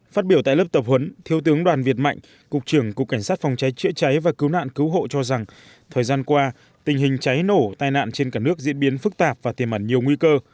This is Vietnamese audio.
phát biểu tại lớp tập huấn thiếu tướng đoàn việt mạnh cục trưởng cục cảnh sát phòng cháy chữa cháy và cứu nạn cứu hộ cho rằng thời gian qua tình hình cháy nổ tai nạn trên cả nước diễn biến phức tạp và tiềm ẩn nhiều nguy cơ